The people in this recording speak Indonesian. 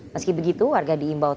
meski begitu warga diimbau